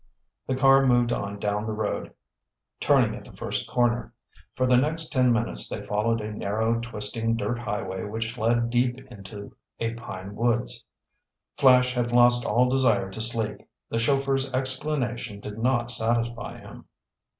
The car moved on down the road, turning at the first corner. For the next ten minutes they followed a narrow, twisting dirt highway which led deep into a pine woods. Flash had lost all desire to sleep. The chauffeur's explanation did not satisfy him.